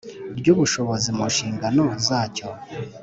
ry ubushobozi mu nshingano zacyo